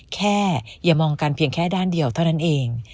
อย่ามองกันเพียงแค่ด้านเดียวเท่านั้นเอง